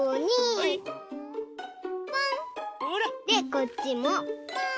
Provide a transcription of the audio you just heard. こっちもポン！